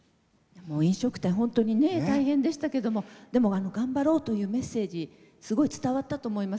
飲食店、本当に大変でしたけども頑張ろうというメッセージが伝わったと思います。